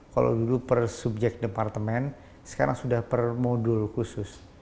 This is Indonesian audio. kalau dulu per subjek departemen sekarang sudah per modul khusus